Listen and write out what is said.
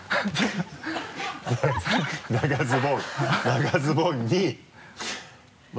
長ズボン